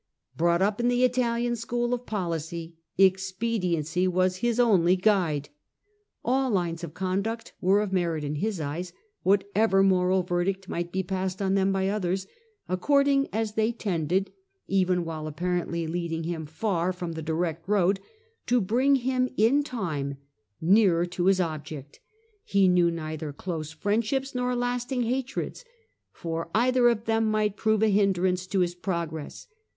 Brought up in the Italian school of policy, expediency was his only guide. All lines of conduct were of merit in his eyes, whatever moral verdict might be passed on them by others, according as they tended, even while apparently leading him far from the direct road, to bring him in time nearer to his object ; he knew neither close friendships nor lasting hatreds, for either of them might prove a hindrance to this progress.